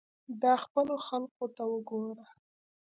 دا خپلو خلقو ته وګوره.